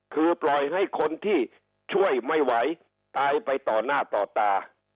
คือปล่อยให้คนที่ช่วยไม่ไหวตายไปต่อหน้าต่อตา